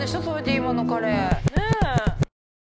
今のカレ。